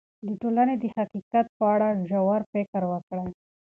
د ټولنې د حقیقت په اړه ژور فکر وکړئ.